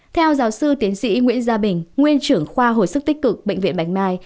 theo giáo sư tiến sĩ nguyễn gia bình nguyên trưởng khoa hồi sức tích cực bệnh viện bạch mai